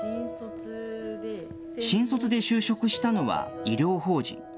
新卒で就職したのは医療法人。